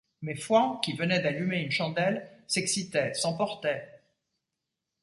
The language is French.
Mais Fouan, qui venait d’allumer une chandelle, s’excitait, s’emportait.